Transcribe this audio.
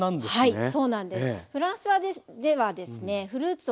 はい。